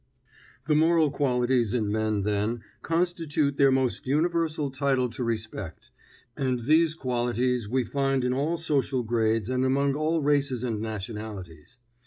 The moral qualities in men, then, constitute their most universal title to respect, and these qualities we find in all social grades and among all races and nationalities.